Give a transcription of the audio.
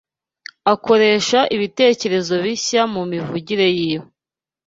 akoresha ibitekerezo bishya mumivugire yiwe